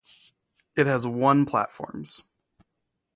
It has one platforms.